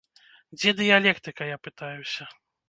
Дзе дыялектыка, я пытаюся?